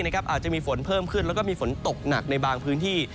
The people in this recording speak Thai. อาจจะมีฝนเพิ่มขึ้นแล้วก็มีฝนตกหนักในบางพื้นที่